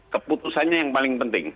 keputusannya yang paling penting